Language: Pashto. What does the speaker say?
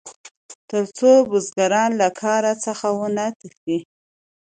تر څو بزګران له کار څخه ونه تښتي.